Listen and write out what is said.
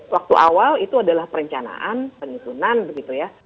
waktu awal itu adalah perencanaan penyusunan begitu ya